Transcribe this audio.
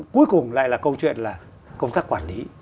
cuối cùng lại là câu chuyện là công tác quản lý